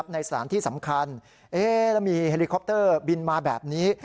ในสถานที่สำคัญแล้วมีเฮลิคอปเตอร์บินมาแบบนี้